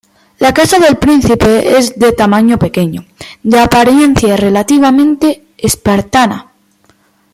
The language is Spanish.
La Casa del Príncipe es de tamaño pequeño, de apariencia relativamente espartana.